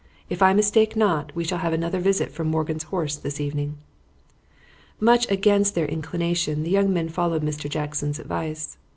If I mistake not, we shall have another visit from Morgan's horse this evening." Much against their inclination the young men followed Mr. Jackson's advice.